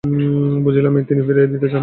বুঝিলাম, এ তিনি ফিরাইয়া দিতে চান না।